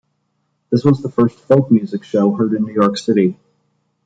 This was the first "folk music" show heard in New York City.